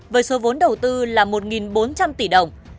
với số vốn đầu tư là một bốn trăm linh tỷ đồng